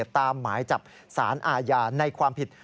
ตามหมายจับสารอาญาในความผิด